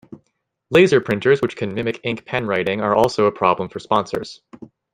Laser printers which can mimic ink pen writing are also a problem for sponsors.